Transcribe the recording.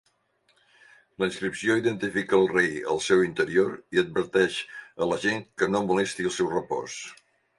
La inscripció identifica el rei al seu interior i adverteix a la gent que no molesti el seu repòs.